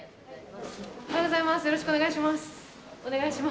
おはようございます。